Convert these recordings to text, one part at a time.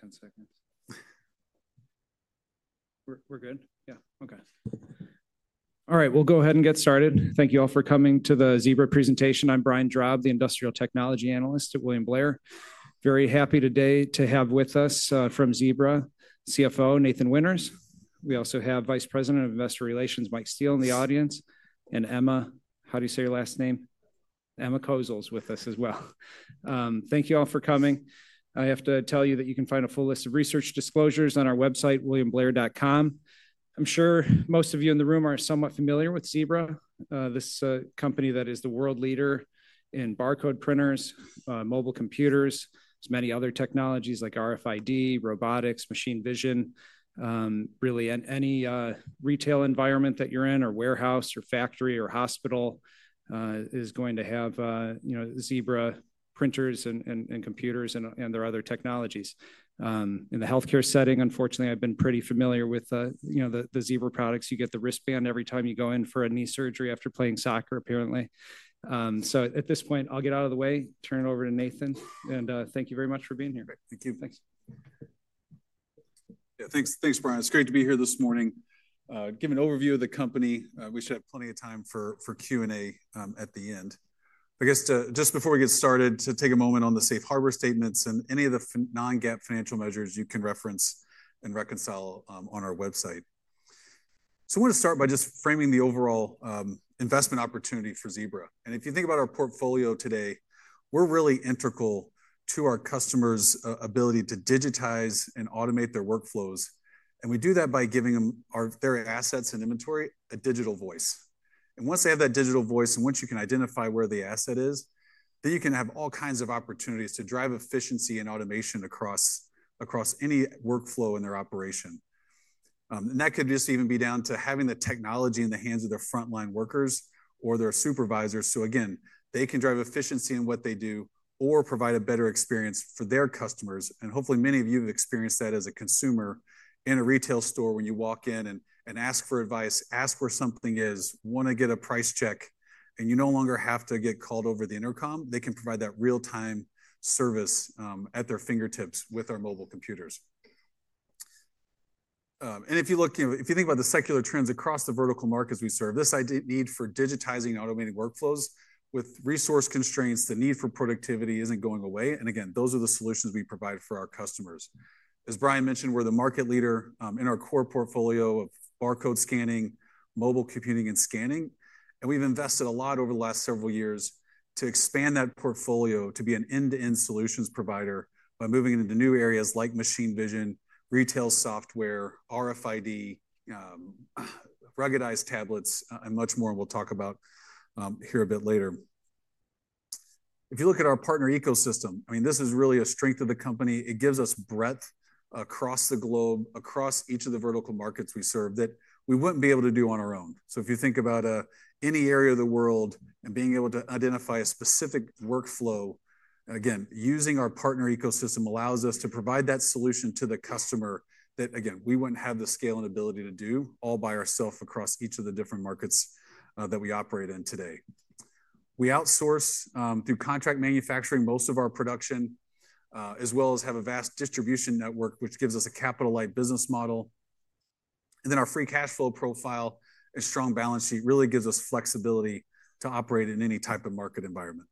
10 seconds. We're good. Yeah. Okay. All right. We'll go ahead and get started. Thank you all for coming to the Zebra presentation. I'm Brian Drabb, the Industrial Technology Analyst at William Blair. Very happy today to have with us from Zebra CFO, Nathan Winters. We also have Vice President of Investor Relations, Mike Steele, in the audience. And Emma, how do you say your last name? Emma Kozel's with us as well. Thank you all for coming. I have to tell you that you can find a full list of research disclosures on our website, williamblair.com. I'm sure most of you in the room are somewhat familiar with Zebra, this company that is the world leader in barcode printers, mobile computers, as many other technologies like RFID, robotics, machine vision, really any retail environment that you're in, or warehouse, or factory, or hospital is going to have Zebra printers and computers and their other technologies. In the healthcare setting, unfortunately, I've been pretty familiar with the Zebra products. You get the wristband every time you go in for a knee surgery after playing soccer, apparently. At this point, I'll get out of the way, turn it over to Nathan. Thank you very much for being here. Thank you. Thanks. Yeah. Thanks, Brian. It's great to be here this morning. Give an overview of the company. We should have plenty of time for Q&A at the end. I guess just before we get started, to take a moment on the safe harbor statements and any of the non-GAAP financial measures you can reference and reconcile on our website. I want to start by just framing the overall investment opportunity for Zebra. If you think about our portfolio today, we're really integral to our customers' ability to digitize and automate their workflows. We do that by giving them their assets and inventory a digital voice. Once they have that digital voice, and once you can identify where the asset is, then you can have all kinds of opportunities to drive efficiency and automation across any workflow in their operation. That could just even be down to having the technology in the hands of their frontline workers or their supervisors. Again, they can drive efficiency in what they do or provide a better experience for their customers. Hopefully, many of you have experienced that as a consumer in a retail store when you walk in and ask for advice, ask where something is, want to get a price check, and you no longer have to get called over the intercom. They can provide that real-time service at their fingertips with our mobile computers. If you look, if you think about the secular trends across the vertical markets we serve, this idea of need for digitizing and automating workflows with resource constraints, the need for productivity is not going away. Again, those are the solutions we provide for our customers. As Brian mentioned, we're the market leader in our core portfolio of barcode scanning, mobile computing, and scanning. And we've invested a lot over the last several years to expand that portfolio to be an end-to-end solutions provider by moving into new areas like machine vision, retail software, RFID, ruggedized tablets, and much more we'll talk about here a bit later. If you look at our partner ecosystem, I mean, this is really a strength of the company. It gives us breadth across the globe, across each of the vertical markets we serve that we wouldn't be able to do on our own. If you think about any area of the world and being able to identify a specific workflow, again, using our partner ecosystem allows us to provide that solution to the customer that, again, we would not have the scale and ability to do all by ourselves across each of the different markets that we operate in today. We outsource through contract manufacturing most of our production, as well as have a vast distribution network, which gives us a capital-light business model. Our free cash flow profile and strong balance sheet really gives us flexibility to operate in any type of market environment.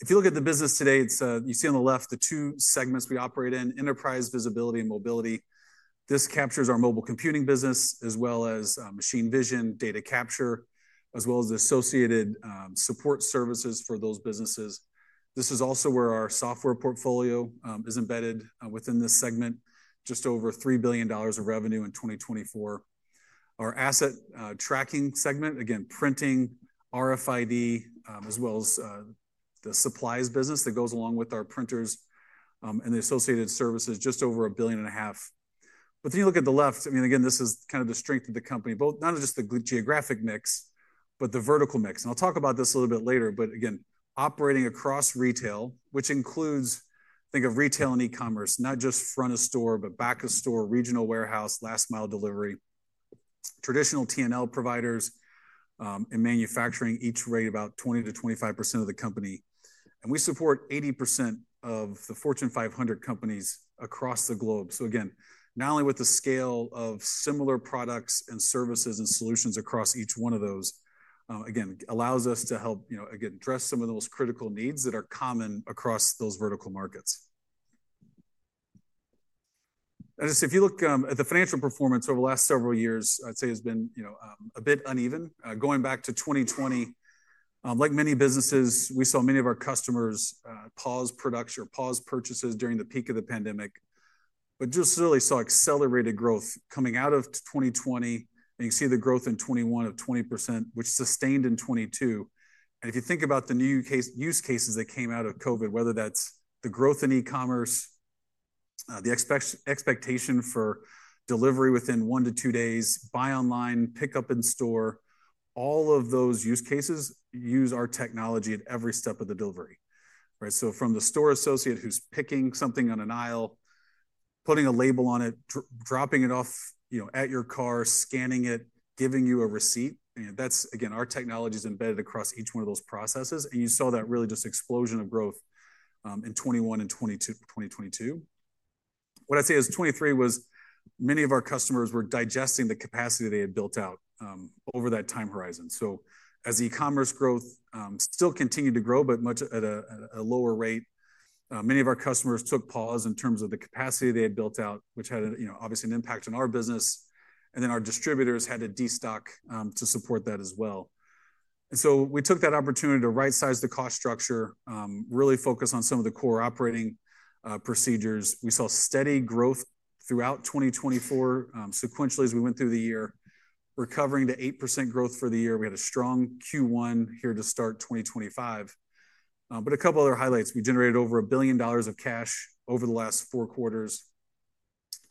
If you look at the business today, you see on the left the two segments we operate in: enterprise visibility and mobility. This captures our mobile computing business, as well as machine vision, data capture, as well as the associated support services for those businesses. This is also where our software portfolio is embedded within this segment, just over $3 billion of revenue in 2024. Our asset tracking segment, again, printing, RFID, as well as the supplies business that goes along with our printers and the associated services, just over $1.5 billion. You look at the left, I mean, again, this is kind of the strength of the company, both not just the geographic mix, but the vertical mix. I'll talk about this a little bit later. Again, operating across retail, which includes, think of retail and e-commerce, not just front of store, but back of store, regional warehouse, last-mile delivery, traditional T&L providers, and manufacturing, each rate about 20%-25% of the company. We support 80% of the Fortune 500 companies across the globe. Again, not only with the scale of similar products and services and solutions across each one of those, again, allows us to help, again, address some of the most critical needs that are common across those vertical markets. If you look at the financial performance over the last several years, I'd say it's been a bit uneven. Going back to 2020, like many businesses, we saw many of our customers pause production or pause purchases during the peak of the pandemic. Just really saw accelerated growth coming out of 2020. You see the growth in 2021 of 20%, which sustained in 2022. If you think about the new use cases that came out of COVID, whether that's the growth in e-commerce, the expectation for delivery within one to two days, buy online, pick up in store, all of those use cases use our technology at every step of the delivery. From the store associate who's picking something on an aisle, putting a label on it, dropping it off at your car, scanning it, giving you a receipt, that's, again, our technology is embedded across each one of those processes. You saw that really just explosion of growth in 2021 and 2022. What I'd say is 2023 was many of our customers were digesting the capacity they had built out over that time horizon. As e-commerce growth still continued to grow, but much at a lower rate, many of our customers took pause in terms of the capacity they had built out, which had obviously an impact on our business. Our distributors had to destock to support that as well. We took that opportunity to right-size the cost structure, really focus on some of the core operating procedures. We saw steady growth throughout 2024, sequentially as we went through the year, recovering to 8% growth for the year. We had a strong Q1 here to start 2025. A couple other highlights. We generated over $1 billion of cash over the last four quarters.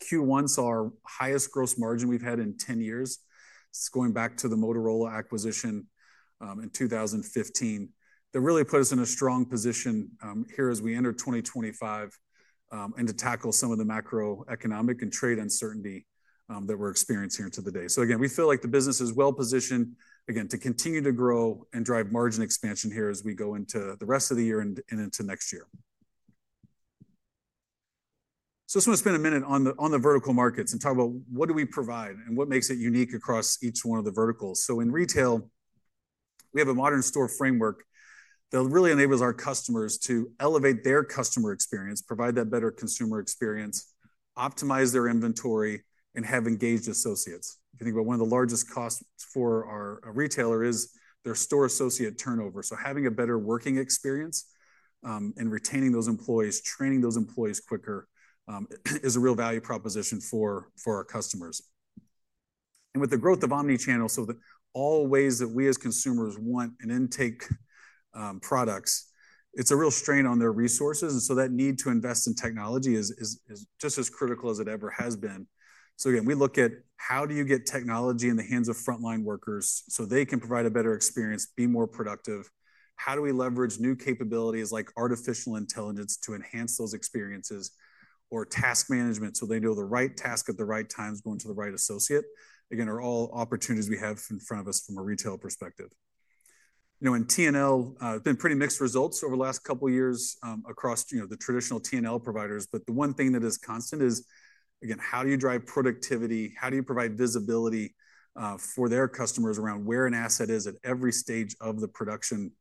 Q1 saw our highest gross margin we have had in 10 years. It is going back to the Motorola acquisition in 2015. That really put us in a strong position here as we enter 2025 and to tackle some of the macroeconomic and trade uncertainty that we're experiencing here today. Again, we feel like the business is well positioned, again, to continue to grow and drive margin expansion here as we go into the rest of the year and into next year. I just want to spend a minute on the vertical markets and talk about what do we provide and what makes it unique across each one of the verticals. In retail, we have a modern store framework that really enables our customers to elevate their customer experience, provide that better consumer experience, optimize their inventory, and have engaged associates. If you think about one of the largest costs for our retailer is their store associate turnover. Having a better working experience and retaining those employees, training those employees quicker is a real value proposition for our customers. With the growth of omnichannel, so that all ways that we as consumers want and intake products, it's a real strain on their resources. That need to invest in technology is just as critical as it ever has been. Again, we look at how do you get technology in the hands of frontline workers so they can provide a better experience, be more productive. How do we leverage new capabilities like artificial intelligence to enhance those experiences or task management so they know the right task at the right times going to the right associate? Again, are all opportunities we have in front of us from a retail perspective. In T&L, it's been pretty mixed results over the last couple of years across the traditional T&L providers. The one thing that is constant is, again, how do you drive productivity? How do you provide visibility for their customers around where an asset is at every stage of the production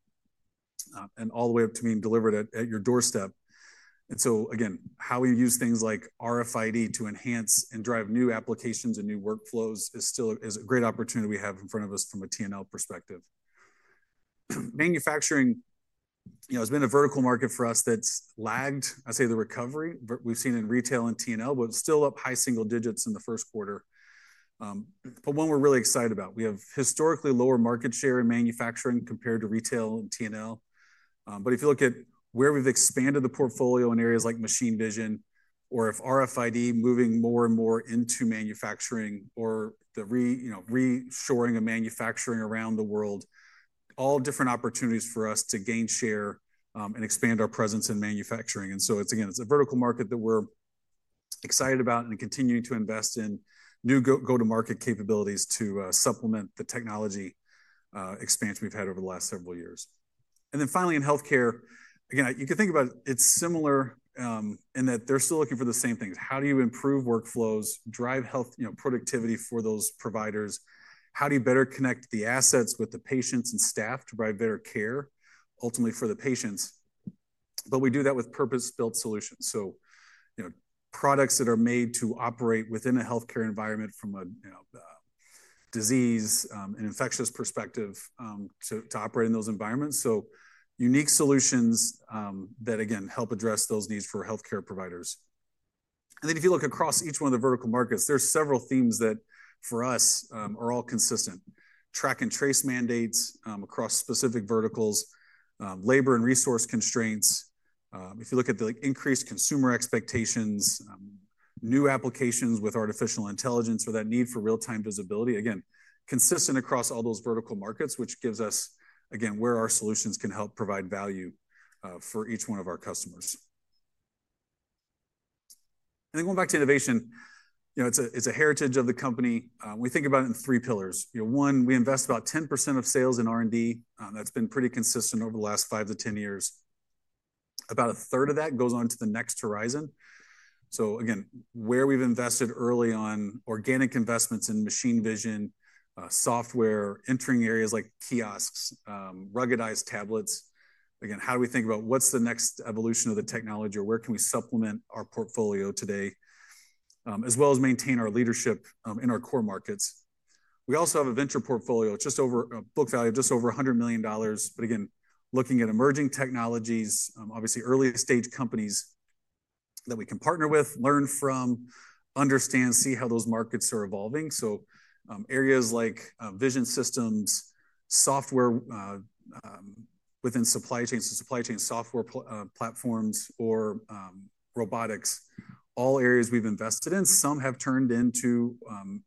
and all the way up to being delivered at your doorstep? Again, how we use things like RFID to enhance and drive new applications and new workflows is still a great opportunity we have in front of us from a T&L perspective. Manufacturing has been a vertical market for us that's lagged, I'd say the recovery we've seen in retail and T&L, but still up high single digits in the first quarter. One we're really excited about. We have historically lower market share in manufacturing compared to retail and T&L. If you look at where we've expanded the portfolio in areas like machine vision, or if RFID is moving more and more into manufacturing, or the reshoring of manufacturing around the world, all different opportunities for us to gain share and expand our presence in manufacturing. It is, again, a vertical market that we're excited about and continuing to invest in new go-to-market capabilities to supplement the technology expanse we've had over the last several years. Finally, in healthcare, again, you can think about it as similar in that they're still looking for the same things. How do you improve workflows, drive health productivity for those providers? How do you better connect the assets with the patients and staff to provide better care, ultimately for the patients? We do that with purpose-built solutions. Products that are made to operate within a healthcare environment from a disease and infectious perspective to operate in those environments. Unique solutions that, again, help address those needs for healthcare providers. If you look across each one of the vertical markets, there are several themes that for us are all consistent: track and trace mandates across specific verticals, labor and resource constraints. If you look at the increased consumer expectations, new applications with artificial intelligence or that need for real-time visibility, again, consistent across all those vertical markets, which gives us, again, where our solutions can help provide value for each one of our customers. Going back to innovation, it is a heritage of the company. We think about it in three pillars. One, we invest about 10% of sales in R&D. That has been pretty consistent over the last 5-10 years. About a third of that goes on to the next horizon. Again, where we've invested early on, organic investments in machine vision, software, entering areas like kiosks, ruggedized tablets. Again, how do we think about what's the next evolution of the technology or where can we supplement our portfolio today, as well as maintain our leadership in our core markets? We also have a venture portfolio, just over a book value, just over $100 million. Again, looking at emerging technologies, obviously early-stage companies that we can partner with, learn from, understand, see how those markets are evolving. Areas like vision systems, software within supply chains, so supply chain software platforms or robotics, all areas we've invested in. Some have turned into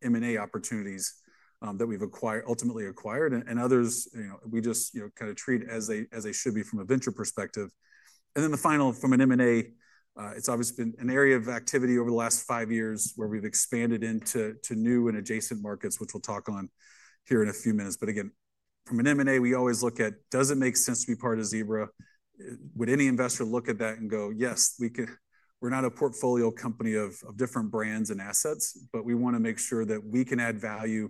M&A opportunities that we've ultimately acquired, and others we just kind of treat as they should be from a venture perspective. From an M&A, it's obviously been an area of activity over the last five years where we've expanded into new and adjacent markets, which we'll talk on here in a few minutes. Again, from an M&A, we always look at, does it make sense to be part of Zebra? Would any investor look at that and go, yes, we're not a portfolio company of different brands and assets, but we want to make sure that we can add value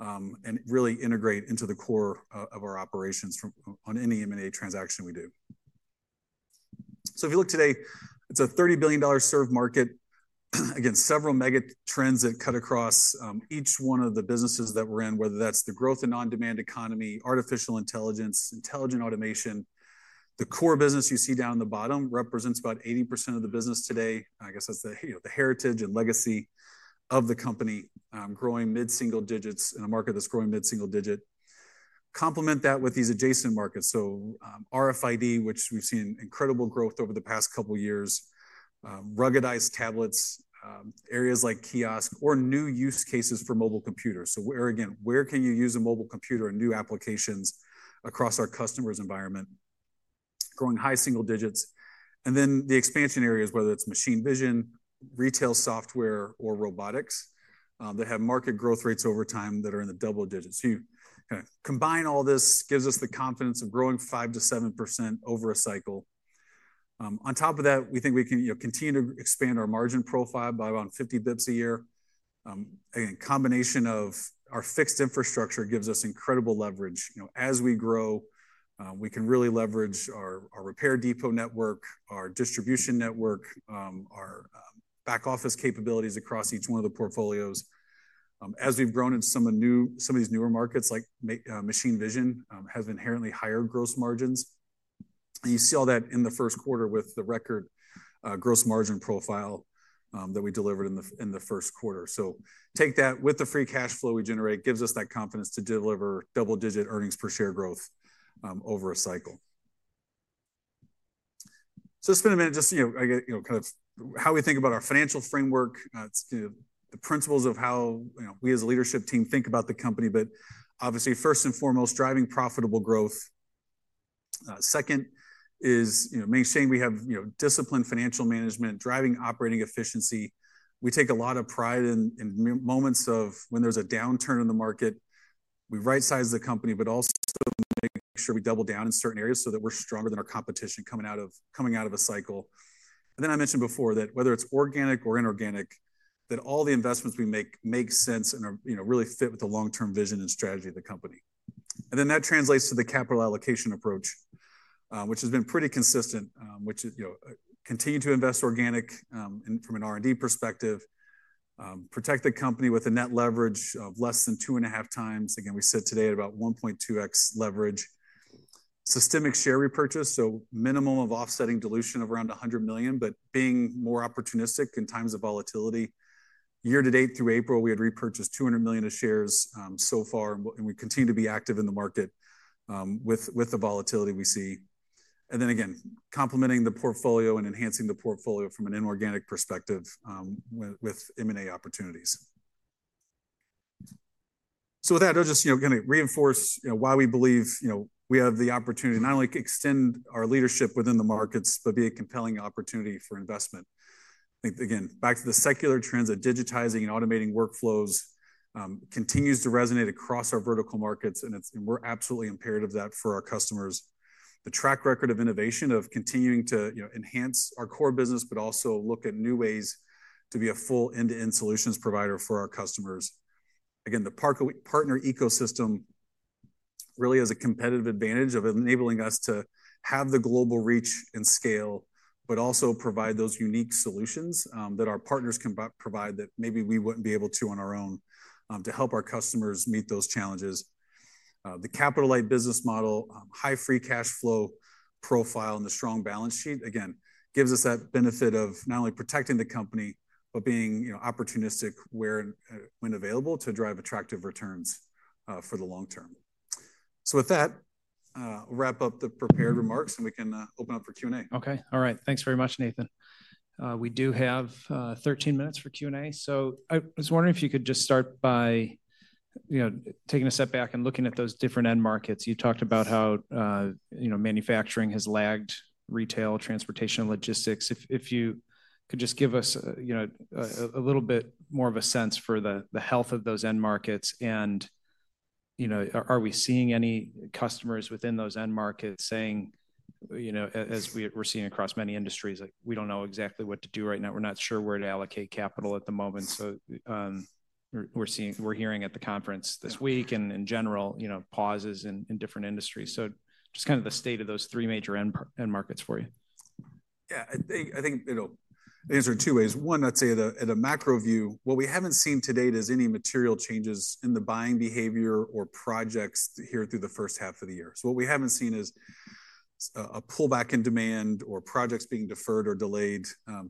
and really integrate into the core of our operations on any M&A transaction we do. If you look today, it's a $30 billion serve market. Again, several mega trends that cut across each one of the businesses that we're in, whether that's the growth in non-demand economy, artificial intelligence, intelligent automation. The core business you see down in the bottom represents about 80% of the business today. I guess that's the heritage and legacy of the company, growing mid-single digits in a market that's growing mid-single digit. Complement that with these adjacent markets. So RFID, which we've seen incredible growth over the past couple of years, ruggedized tablets, areas like kiosks, or new use cases for mobile computers. So again, where can you use a mobile computer and new applications across our customers' environment? Growing high single digits. And then the expansion areas, whether it's machine vision, retail software, or robotics that have market growth rates over time that are in the double digits. So you kind of combine all this, gives us the confidence of growing 5%-7% over a cycle. On top of that, we think we can continue to expand our margin profile by about 50 [bits] a year. Again, combination of our fixed infrastructure gives us incredible leverage. As we grow, we can really leverage our repair depot network, our distribution network, our back office capabilities across each one of the portfolios. As we've grown in some of these newer markets, like machine vision, has inherently higher gross margins. You see all that in the first quarter with the record gross margin profile that we delivered in the first quarter. Take that with the free cash flow we generate, gives us that confidence to deliver double-digit earnings per share growth over a cycle. Let's spend a minute just kind of how we think about our financial framework, the principles of how we as a leadership team think about the company. Obviously, first and foremost, driving profitable growth. Second is maintaining we have disciplined financial management, driving operating efficiency. We take a lot of pride in moments of when there is a downturn in the market. We right-size the company, but also make sure we double down in certain areas so that we are stronger than our competition coming out of a cycle. I mentioned before that whether it is organic or inorganic, all the investments we make make sense and really fit with the long-term vision and strategy of the company. That translates to the capital allocation approach, which has been pretty consistent, which continues to invest organic from an R&D perspective, protect the company with a net leverage of less than 2.5x. Again, we sit today at about 1.2x leverage. Systemic share repurchase, so minimum of offsetting dilution of around $100 million, but being more opportunistic in times of volatility. Year to date through April, we had repurchased $200 million of shares so far, and we continue to be active in the market with the volatility we see. Then again, complementing the portfolio and enhancing the portfolio from an inorganic perspective with M&A opportunities. With that, I'll just kind of reinforce why we believe we have the opportunity to not only extend our leadership within the markets, but be a compelling opportunity for investment. I think, again, back to the secular trends of digitizing and automating workflows continues to resonate across our vertical markets, and we're absolutely imperative of that for our customers. The track record of innovation of continuing to enhance our core business, but also look at new ways to be a full end-to-end solutions provider for our customers. Again, the partner ecosystem really has a competitive advantage of enabling us to have the global reach and scale, but also provide those unique solutions that our partners can provide that maybe we would not be able to on our own to help our customers meet those challenges. The capital-light business model, high free cash flow profile, and the strong balance sheet, again, gives us that benefit of not only protecting the company, but being opportunistic when available to drive attractive returns for the long term. With that, we will wrap up the prepared remarks, and we can open up for Q&A. Okay. All right. Thanks very much, Nathan. We do have 13 minutes for Q&A. I was wondering if you could just start by taking a step back and looking at those different end markets. You talked about how manufacturing has lagged, retail, transportation, logistics. If you could just give us a little bit more of a sense for the health of those end markets, and are we seeing any customers within those end markets saying, as we're seeing across many industries, we do not know exactly what to do right now. We're not sure where to allocate capital at the moment. We are hearing at the conference this week and in general, pauses in different industries. Just kind of the state of those three major end markets for you. Yeah. I think I answered in two ways. One, let's say at a macro view, what we haven't seen to date is any material changes in the buying behavior or projects here through the first half of the year. What we haven't seen is a pullback in demand or projects being deferred or delayed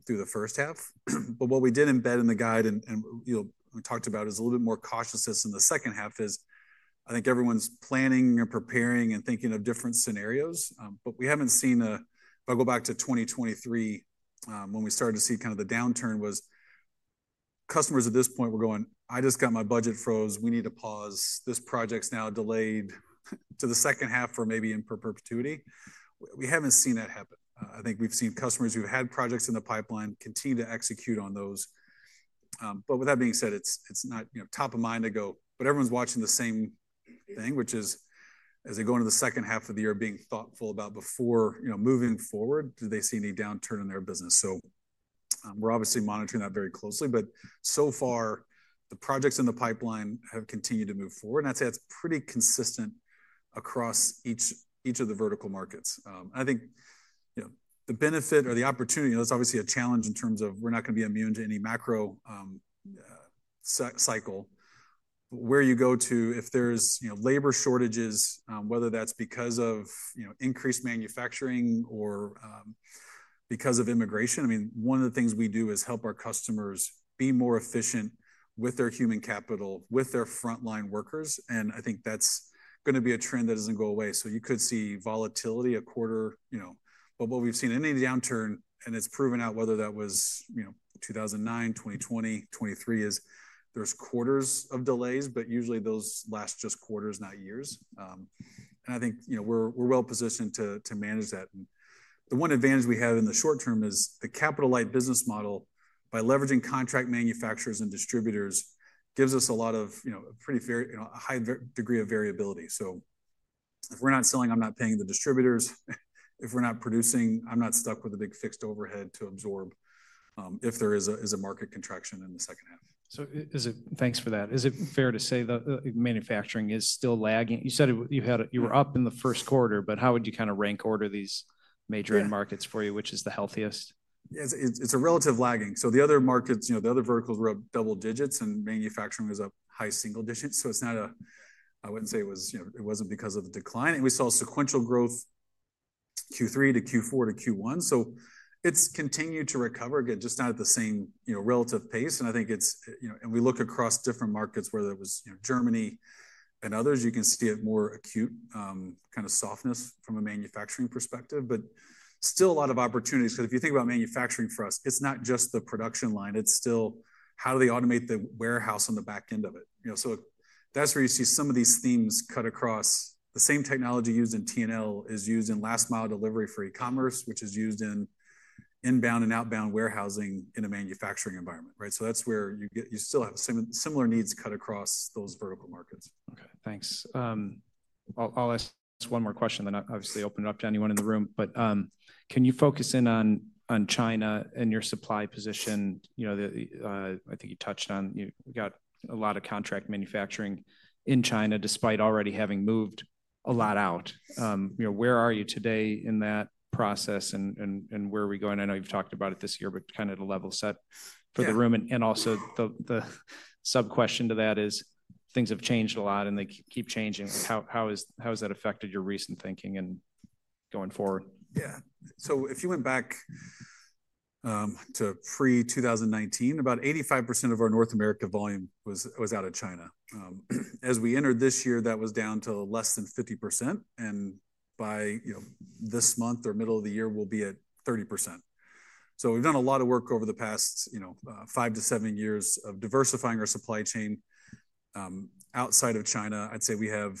through the first half. What we did embed in the guide and talked about is a little bit more cautiousness in the second half as I think everyone's planning and preparing and thinking of different scenarios. We haven't seen a, if I go back to 2023, when we started to see kind of the downturn was customers at this point were going, "I just got my budget froze. We need to pause. This project's now delayed to the second half or maybe in perpetuity." We haven't seen that happen. I think we've seen customers who've had projects in the pipeline continue to execute on those. With that being said, it's not top of mind to go, but everyone's watching the same thing, which is as they go into the second half of the year being thoughtful about before moving forward, do they see any downturn in their business? We're obviously monitoring that very closely. So far, the projects in the pipeline have continued to move forward. I'd say that's pretty consistent across each of the vertical markets. I think the benefit or the opportunity, that's obviously a challenge in terms of we're not going to be immune to any macro cycle. Where you go to, if there are labor shortages, whether that is because of increased manufacturing or because of immigration, I mean, one of the things we do is help our customers be more efficient with their human capital, with their frontline workers. I think that is going to be a trend that does not go away. You could see volatility a quarter. What we have seen in any downturn, and it has proven out whether that was 2009, 2020, 2023, is there are quarters of delays, but usually those last just quarters, not years. I think we are well positioned to manage that. The one advantage we have in the short term is the capital-light business model. By leveraging contract manufacturers and distributors, it gives us a pretty high degree of variability. If we are not selling, I am not paying the distributors. If we're not producing, I'm not stuck with a big fixed overhead to absorb if there is a market contraction in the second half. Thanks for that. Is it fair to say that manufacturing is still lagging? You said you were up in the first quarter, but how would you kind of rank order these major end markets for you, which is the healthiest? It's a relative lagging. The other markets, the other verticals were up double digits, and manufacturing was up high single digits. It's not a, I wouldn't say it was, it wasn't because of the decline. We saw sequential growth Q3 to Q4 to Q1. It's continued to recover, again, just not at the same relative pace. I think it's, and we look across different markets where there was Germany and others, you can see it more acute kind of softness from a manufacturing perspective, but still a lot of opportunities. If you think about manufacturing for us, it's not just the production line. It's still how do they automate the warehouse on the back end of it? That's where you see some of these themes cut across. The same technology used in T&L is used in last-mile delivery for e-commerce, which is used in inbound and outbound warehousing in a manufacturing environment. Right? So that's where you still have similar needs cut across those vertical markets. Okay. Thanks. I'll ask one more question, then obviously open it up to anyone in the room. Can you focus in on China and your supply position? I think you touched on we got a lot of contract manufacturing in China despite already having moved a lot out. Where are you today in that process and where are we going? I know you've talked about it this year, but kind of the level set for the room. Also, the sub-question to that is things have changed a lot and they keep changing. How has that affected your recent thinking and going forward? Yeah. If you went back to pre-2019, about 85% of our North America volume was out of China. As we entered this year, that was down to less than 50%. By this month or middle of the year, we will be at 30%. We have done a lot of work over the past five to seven years of diversifying our supply chain outside of China. I would say we have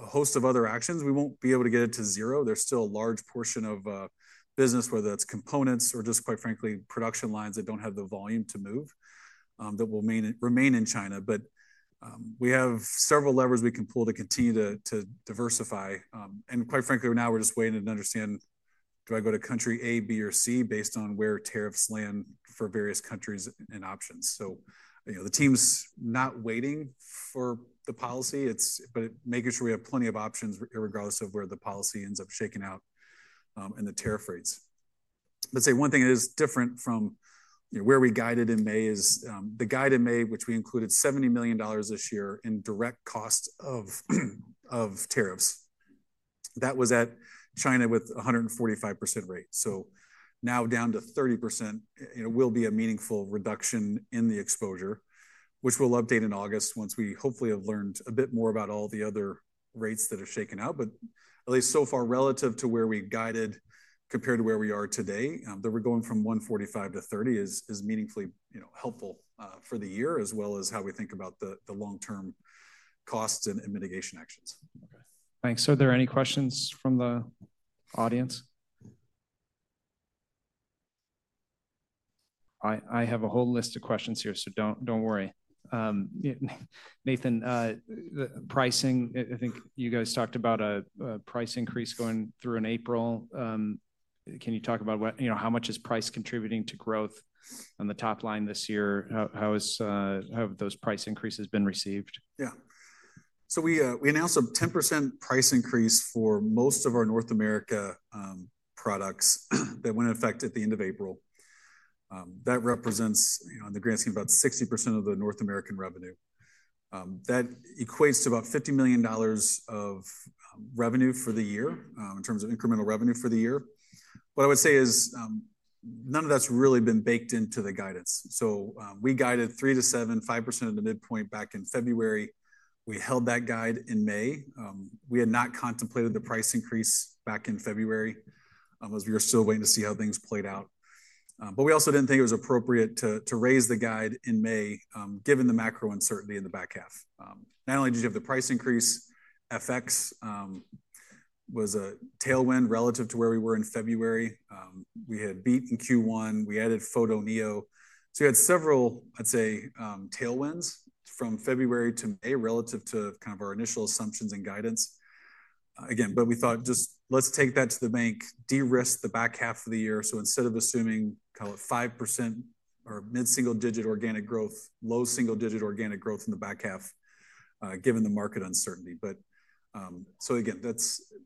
a host of other actions. We will not be able to get it to zero. There is still a large portion of business, whether that is components or just, quite frankly, production lines that do not have the volume to move, that will remain in China. We have several levers we can pull to continue to diversify. Quite frankly, now we're just waiting to understand, do I go to country A, B, or C based on where tariffs land for various countries and options? The team's not waiting for the policy, but making sure we have plenty of options regardless of where the policy ends up shaking out and the tariff rates. One thing that is different from where we guided in May is the guide in May, which we included $70 million this year in direct cost of tariffs. That was at China with 145% rate. Now down to 30% will be a meaningful reduction in the exposure, which we'll update in August once we hopefully have learned a bit more about all the other rates that have shaken out. At least so far relative to where we guided compared to where we are today, that we're going from 145% to 30% is meaningfully helpful for the year as well as how we think about the long-term costs and mitigation actions. Okay. Thanks. Are there any questions from the audience? I have a whole list of questions here, so do not worry. Nathan, pricing, I think you guys talked about a price increase going through in April. Can you talk about how much is price contributing to growth on the top line this year? How have those price increases been received? Yeah. So we announced a 10% price increase for most of our North America products that went in effect at the end of April. That represents, on the grand scheme, about 60% of the North America revenue. That equates to about $50 million of revenue for the year in terms of incremental revenue for the year. What I would say is none of that's really been baked into the guidance. We guided 3%-7.5% at the midpoint back in February. We held that guide in May. We had not contemplated the price increase back in February as we were still waiting to see how things played out. We also did not think it was appropriate to raise the guide in May given the macro uncertainty in the back half. Not only did you have the price increase, FX was a tailwind relative to where we were in February. We had beat in Q1. We added Photoneo. We had several, I'd say, tailwinds from February to May relative to kind of our initial assumptions and guidance. Again, we thought, just let's take that to the bank, de-risk the back half of the year. Instead of assuming, call it five percent or mid-single digit organic growth, low single digit organic growth in the back half given the market uncertainty. Again,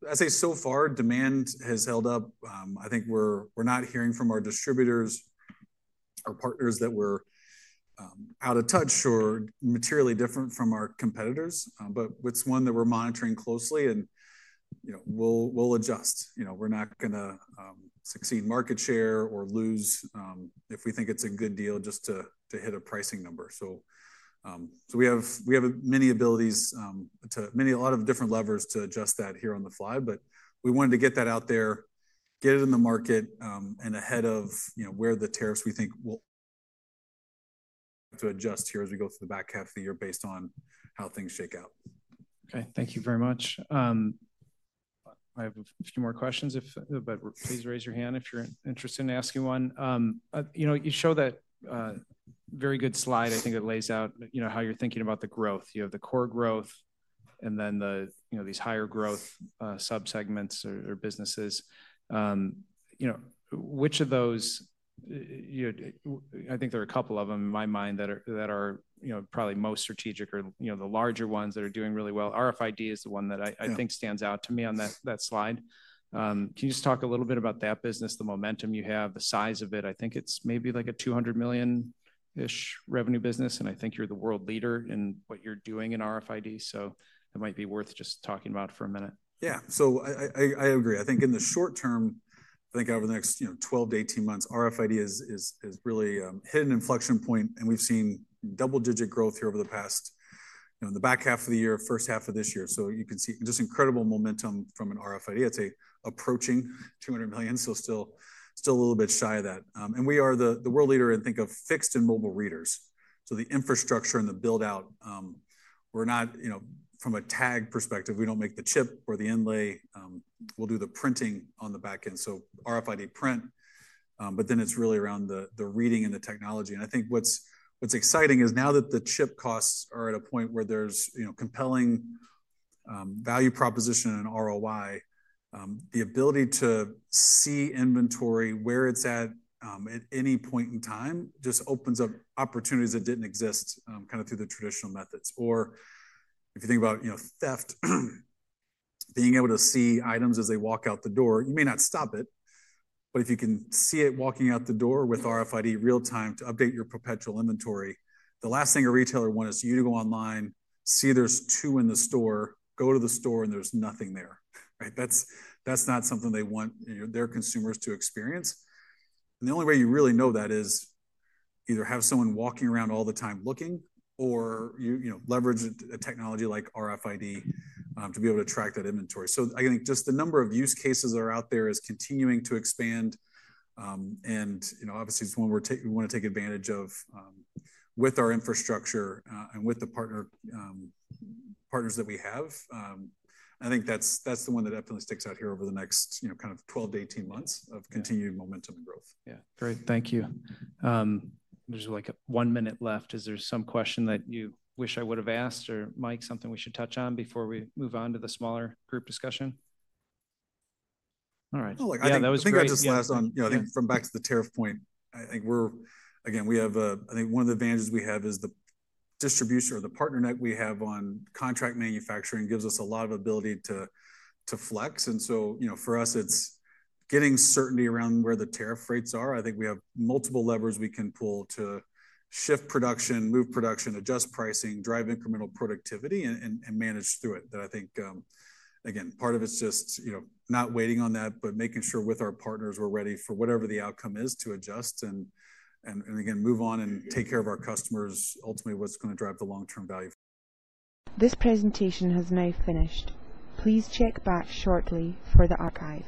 I'd say so far demand has held up. I think we're not hearing from our distributors or partners that we're out of touch or materially different from our competitors. It's one that we're monitoring closely and we'll adjust. We're not going to cede market share or lose if we think it's a good deal just to hit a pricing number. We have many abilities, a lot of different levers to adjust that here on the fly, but we wanted to get that out there, get it in the market, and ahead of where the tariffs we think will have to adjust here as we go through the back half of the year based on how things shake out. Okay. Thank you very much. I have a few more questions, but please raise your hand if you're interested in asking one. You show that very good slide. I think it lays out how you're thinking about the growth. You have the core growth and then these higher growth subsegments or businesses. Which of those, I think there are a couple of them in my mind that are probably most strategic or the larger ones that are doing really well. RFID is the one that I think stands out to me on that slide. Can you just talk a little bit about that business, the momentum you have, the size of it? I think it's maybe like a $200 million-ish revenue business, and I think you're the world leader in what you're doing in RFID. It might be worth just talking about for a minute. Yeah. I agree. I think in the short term, I think over the next 12 to 18 months, RFID is really hitting an inflection point, and we've seen double-digit growth here over the past, in the back half of the year, first half of this year. You can see just incredible momentum from an RFID. I'd say approaching $200 million, so still a little bit shy of that. We are the world leader in, think of fixed and mobile readers. The infrastructure and the build-out, we're not, from a tag perspective, we don't make the chip or the inlay. We'll do the printing on the back end. RFID print, but then it's really around the reading and the technology. I think what's exciting is now that the chip costs are at a point where there's compelling value proposition and ROI, the ability to see inventory where it's at at any point in time just opens up opportunities that didn't exist kind of through the traditional methods. If you think about theft, being able to see items as they walk out the door, you may not stop it, but if you can see it walking out the door with RFID real-time to update your perpetual inventory, the last thing a retailer wants is you to go online, see there's two in the store, go to the store, and there's nothing there. That's not something they want their consumers to experience. The only way you really know that is either have someone walking around all the time looking or leverage a technology like RFID to be able to track that inventory. I think just the number of use cases that are out there is continuing to expand. Obviously, it is one we want to take advantage of with our infrastructure and with the partners that we have. I think that is the one that definitely sticks out here over the next 12-18 months of continued momentum and growth. Yeah. Great. Thank you. There's like one minute left. Is there some question that you wish I would have asked or Mike, something we should touch on before we move on to the smaller group discussion? All right. I think just last on, I think from back to the tariff point, I think we're, again, we have, I think one of the advantages we have is the distribution or the partner net we have on contract manufacturing gives us a lot of ability to flex. For us, it's getting certainty around where the tariff rates are. I think we have multiple levers we can pull to shift production, move production, adjust pricing, drive incremental productivity, and manage through it. That, I think, again, part of it's just not waiting on that, but making sure with our partners we're ready for whatever the outcome is to adjust and, again, move on and take care of our customers. Ultimately, what's going to drive the long-term value? This presentation has now finished. Please check back shortly for the archive.